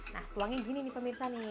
nah tuangnya gini nih pemirsa nih